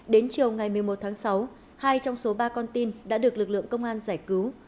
đến chiều ngày một mươi một tháng sáu hai trong số ba con tin đã được lực lượng công an giải cứu